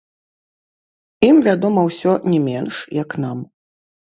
Ім вядома ўсё не менш, як нам.